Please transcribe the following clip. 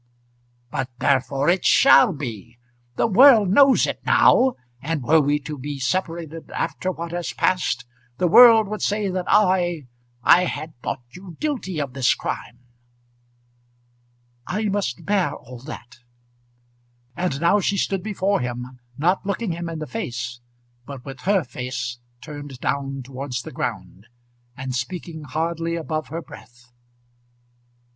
"But therefore it shall be. The world knows it now; and were we to be separated after what has past, the world would say that I I had thought you guilty of this crime." "I must bear all that." And now she stood before him, not looking him in the face, but with her face turned down towards the ground, and speaking hardly above her breath.